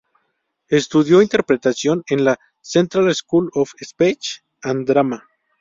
Estudió interpretación en la Central School of Speech and Drama.